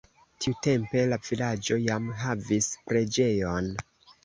Tiutempe la vilaĝo jam havis preĝejon.